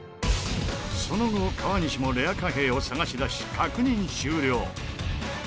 その後川西もレア貨幣を探し出し確認終了。